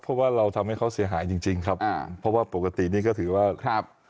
เพราะว่าเราทำให้เขาเสียหายจริงจริงครับอ่าเพราะว่าปกตินี้ก็ถือว่าครับ